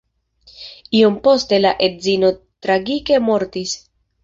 Iom poste la edzino tragike mortis.